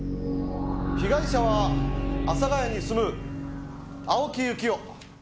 被害者は阿佐谷に住む青木由紀男。